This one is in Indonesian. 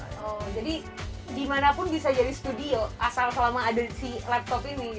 jadi di mana pun bisa jadi studio asal selama ada si laptop ini